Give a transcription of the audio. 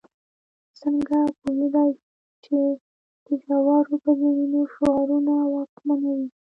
څنګه پوهېدای شو چې د ژورو بدلونونو شعارونه واکمنوي.